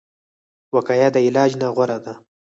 وقایه د علاج نه غوره ده